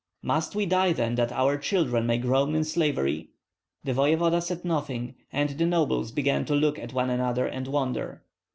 "Must we die, then, that our children may groan in slavery?" The voevoda said nothing, and the nobles began to look at one another and wonder.